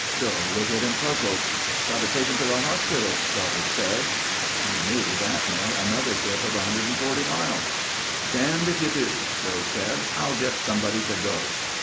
Joe looked at him, puzzled. "Got to take him to the hospital," Charlie said. We knew that meant another trip of 140 miles. "Damned if you do," Joe said. "I'll get somebody to go."